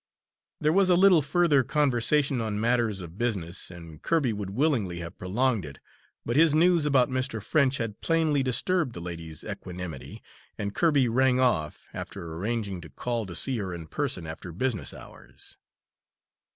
There was a little further conversation on matters of business, and Kirby would willingly have prolonged it, but his news about Mr. French had plainly disturbed the lady's equanimity, and Kirby rang off, after arranging to call to see her in person after business hours.